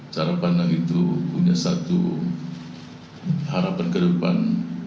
cara pandang itu punya satu harapan ke depan